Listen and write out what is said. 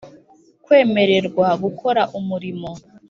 Kwemererwa gukora umurimo